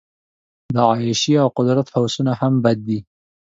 د عیاشۍ او قدرت هوسونه هم بد دي.